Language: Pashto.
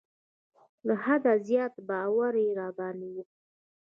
له حده زیات باور یې را باندې وکړ.